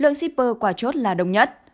lượng shipper qua chốt là đông nhất